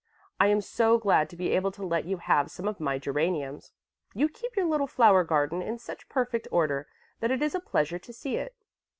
I am so glad to be able to let you have some of my geraniums. You keep your little flower garden in such perfect order that it is a pleasure to see it."